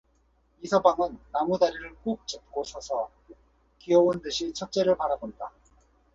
이서방은 나무다리를 꾹 짚고 서서 귀여운 듯이 첫째를 바라본다.